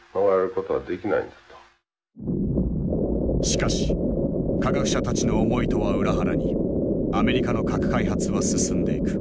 しかし科学者たちの思いとは裏腹にアメリカの核開発は進んでいく。